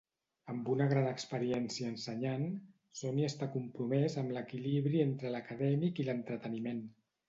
Amb una gran experiència ensenyant, Sonny està compromès amb l'equilibri entre l'acadèmic i l'entreteniment.